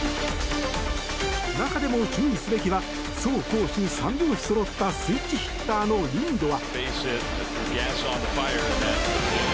中でも注意すべきは走攻守３拍子そろったスイッチヒッターのリンドア。